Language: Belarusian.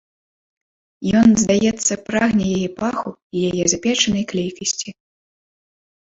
Ён, здаецца, прагне яе паху і яе запечанай клейкасці.